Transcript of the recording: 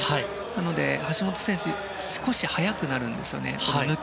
なので、橋本選手少し速くなるんですよね。